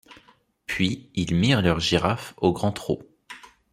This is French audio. Puis, ils mirent leurs girafes au grand trot.